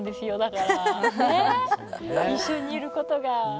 一緒にいることが。